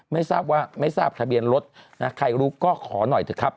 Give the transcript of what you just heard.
ไม่ทราบว่าไม่ทราบทะเบียนรถนะใครรู้ก็ขอหน่อยเถอะครับ